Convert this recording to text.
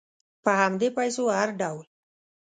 په همدې پیسو هر ډول